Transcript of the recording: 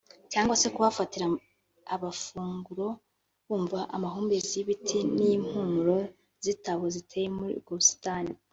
cyangwa se kuhafatira abafunguro bumva amahumbezi y’ibiti n’impumuro z’itabo ziteye muri ubwo busitani